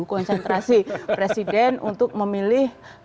konsentrasi presiden untuk memilih